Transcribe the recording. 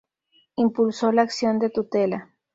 Impulsó la acción de tutela.